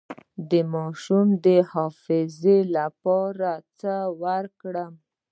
د ماشوم د حافظې لپاره باید څه ورکړم؟